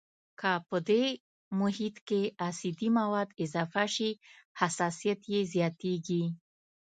که په محیط کې اسیدي مواد اضافه شي حساسیت یې زیاتیږي.